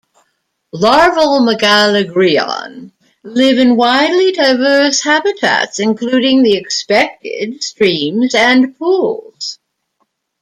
Larval "Megalagrion" live in widely diverse habitats, including the expected streams and pools.